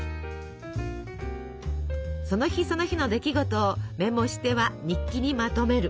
その日その日の出来事をメモしては日記にまとめる。